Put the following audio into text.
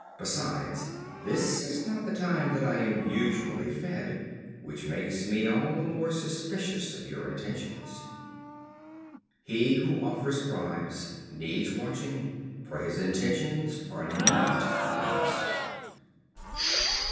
Besides, this is not the time that I am usually fed, which makes me all the more suspicions of your intentions." He who offers bribes needs watching, for his intentions are not honest.